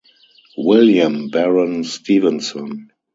William Barron Stevenson.